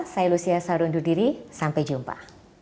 saya lucia saru undur diri sampai jumpa